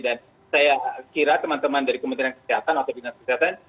dan saya kira teman teman dari kementerian kesehatan atau bintang kesehatan